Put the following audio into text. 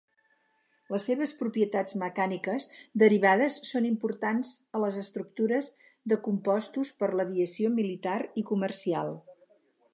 Les seves propietats mecàniques derivades són importants a les estructures de compostos per l'aviació militar i comercial.